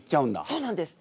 そうなんです！